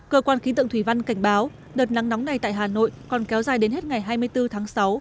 cơ quan khí tượng thủy văn cảnh báo đợt nắng nóng này tại hà nội còn kéo dài đến hết ngày hai mươi bốn tháng sáu